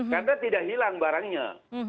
karena tidak hilang barangnya